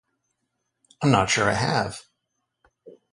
I'm not sure I have.